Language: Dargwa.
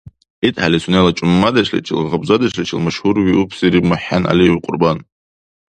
ИтхӀели сунела чӀумадешличил, гъабзадешличил машгьурвиубсири мухӀен ГӀялиев Кьурбан.